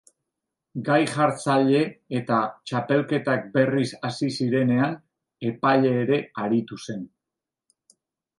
Gai-jartzaile eta, txapelketak berriz hasi zirenean, epaile ere aritu zen.